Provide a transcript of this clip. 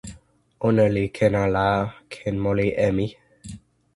ona li ken ala ken moli e mi?